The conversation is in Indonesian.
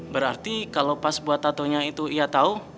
berarti kalo pas buat tato itu dia tahu